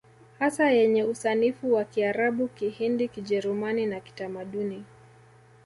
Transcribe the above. Hasa yenye usanifu wa Kiarabu Kihindi Kijerumani na Kitamaduni